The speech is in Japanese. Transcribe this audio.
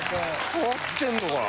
変わってんのかな？